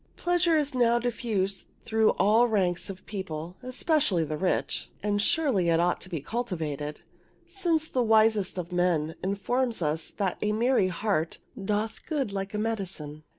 Pleasure is now diffused through all ranks of the people, especially the rich; and surely it ought to be cultivated, since the wisest of men informs us that a merry heart "doth good like a medicine."